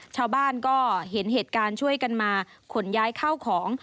ชาวบ้านก็เห็นเหตุการณ์ช่วยกันมาขนย้ายเข้าของ